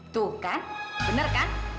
tuh kan bener kan